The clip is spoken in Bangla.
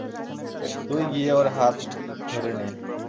তুই গিয়ে ওর হাত ধরে নে।